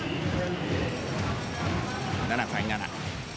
７対７。